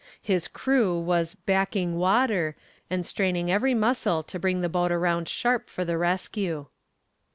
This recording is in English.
His crew was "backing water" and straining every muscle to bring the boat around sharp for the rescue.